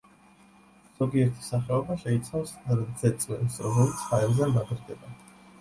ზოგიერთი სახეობა შეიცავს რძეწვენს, რომელიც ჰაერზე მაგრდება.